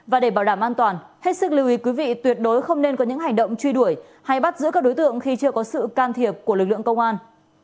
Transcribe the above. và để bảo đảm an toàn hết sức lưu ý quý vị tuyệt đối không nên có những hành động truy đuổi hay bắt giữ các đối tượng khi chưa có sự can thiệp của lực lượng công an